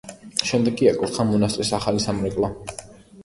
შემდეგ კი აკურთხა მონასტრის ახალი სამრეკლო.